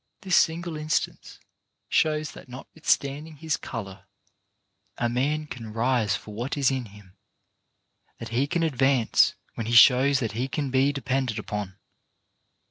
This single instance shows that notwithstanding his colour a man can rise for what is in him ; that he can advance when he shows that he can be depended upon.